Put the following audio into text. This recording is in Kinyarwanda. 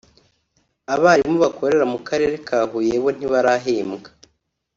abarimu bakorera mu Karere ka Huye bo ntibarahembwa